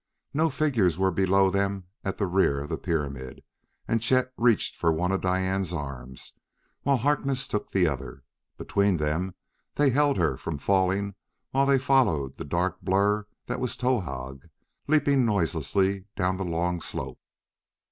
No figures were below them at the rear of the pyramid, and Chet reached for one of Diane's arms, while Harkness took the other. Between them they held her from falling while they followed the dark blur that was Towahg leaping noiselessly down the long slope.